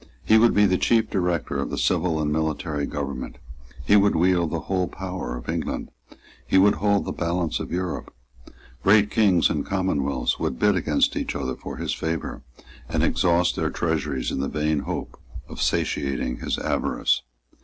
He would be the chief director of the civil and military government. He would wield the whole power of England. He would hold the balance of Europe. Great kings and commonwealths would bid against each other for his favour, and exhaust their treasuries in the vain hope of satiating his avarice.